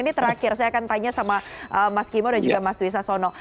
ini terakhir saya akan tanya sama mas kimo dan juga mas dwi sasono